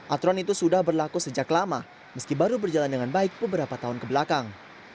aturan itu sudah berlaku sejak lama meski baru berjalan dengan baik beberapa tahun kebelakang